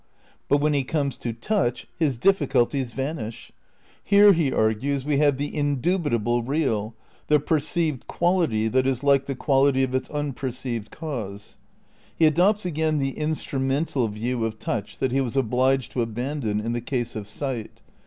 But when he comes to touch his difficulties vanish. Here, he argues, we have the indubitable real, the per ceived quality that is like the quality of its imperceived cause. He adopts again the "instrumental" view of touch that he was obliged to abandon in the case of sight.